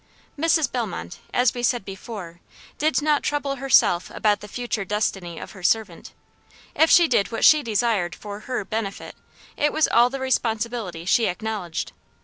Mrs. Bellmont, as we before said, did not trouble herself about the future destiny of her servant. If she did what she desired for HER benefit, it was all the responsibility she acknowledged.